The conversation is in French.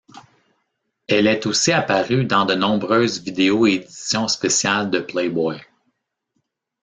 Elle est aussi apparue dans de nombreuses vidéos et éditions spéciales de Playboy.